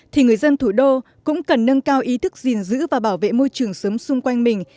thì người dân thủ đô cũng cần nâng cao ý thức gìn giữ và bảo vệ môi trường sống xung quanh mình